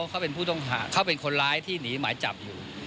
เขาเป็นผู้ต้องหาเขาเป็นคนร้ายที่หนีหมายจับอยู่